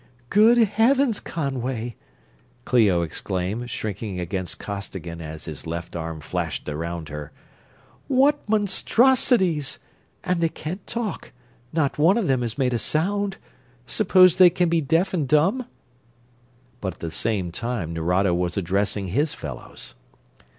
"Good Heavens, Conway!" Clio exclaimed, shrinking against Costigan as his left arm flashed around her. "What monstrosities! And they can't talk not one of them has made a sound suppose they can be deaf and dumb?" But at the same time Nerado was addressing his fellows.